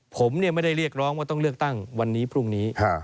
ผมไม่ได้เรียกร้องว่าต้องเลือกตั้งวันนี้พรุ่งนี้